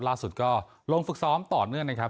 ล่าสุดก็ลงฝึกซ้อมต่อเนื่องนะครับ